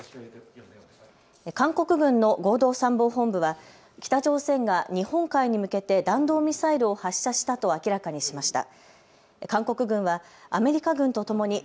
韓国軍の合同参謀本部は北朝鮮が日本海に向けて弾道ミサイルを発射したと明らかにしました。